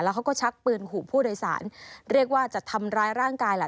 เขาก็ชักปืนขู่ผู้โดยสารเรียกว่าจะทำร้ายร่างกายแหละ